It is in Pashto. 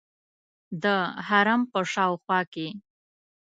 د حرم په شاوخوا کې.